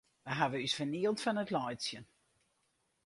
Wy hawwe ús fernield fan it laitsjen.